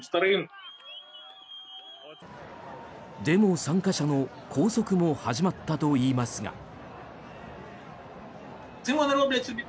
デモ参加者の拘束も始まったといいますが。